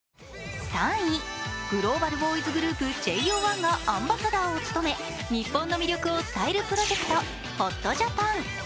グローバルボーイズグループ・ＪＯ１がアンバサダーを務め日本の魅力を伝えるプロジェクト、ＨＯＴＪＡＰＡＮ。